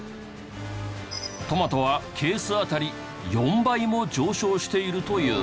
トマトはケースあたり４倍も上昇しているという。